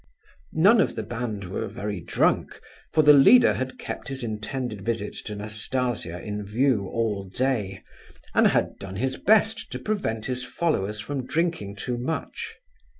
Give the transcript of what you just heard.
None of the band were very drunk, for the leader had kept his intended visit to Nastasia in view all day, and had done his best to prevent his followers from drinking too much.